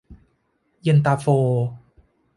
เย็นตาโฟ